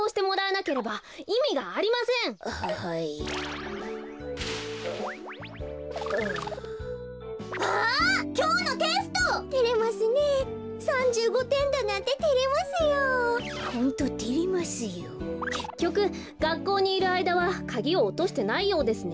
けっきょくがっこうにいるあいだはカギをおとしてないようですね。